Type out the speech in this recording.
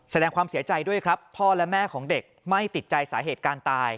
แสดงความเสียใจด้วยครับพ่อและแม่ของเด็กไม่ติดใจสาเหตุการตาย